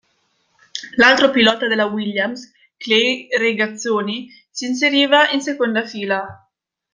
L'altro pilota della Williams, Clay Regazzoni, s'inseriva in seconda fila.